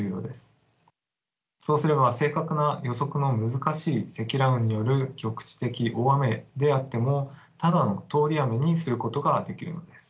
そうすれば正確な予測の難しい積乱雲による局地的大雨であってもただの通り雨にすることができるのです。